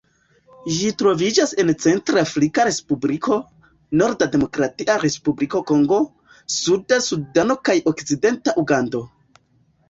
Ĝi troviĝas en Centrafrika Respubliko, norda Demokratia Respubliko Kongo, suda Sudano kaj okcidenta Ugando.